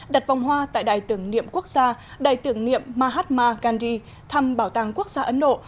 đặt vòng hoa tại đài tưởng niệm quốc gia đài tưởng niệm mahatma gandhi thăm bảo tàng quốc gia ấn độ